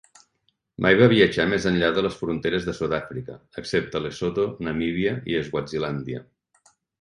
Mai va viatjar més enllà de les fronteres de Sudàfrica, excepte Lesotho, Namibia i Swazilàndia.